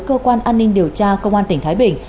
cơ quan an ninh điều tra công an tỉnh thái bình